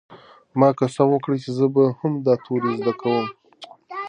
ما قسم وکړ چې زه به هم دا توري زده کوم.